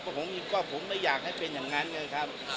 นั่นไม่ได้แล้วครับก็ผมไม่อยากให้เป็นอย่างนั้นเลยครับ